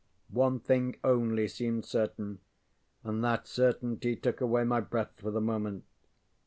One thing only seemed certain and that certainty took away my breath for the moment.